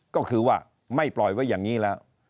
ก็คือว่าไม่ปล่อยไว้อย่างนี้แล้ว